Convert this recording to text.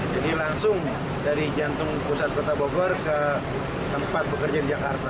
jadi langsung dari jantung pusat kota bogor ke tempat bekerja di jakarta